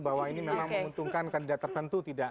bahwa ini memang menguntungkan kandidat tertentu tidak